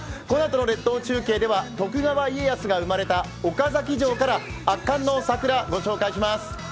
このあとの列島中継では徳川家康が生まれた岡崎城から圧巻の桜御紹介します。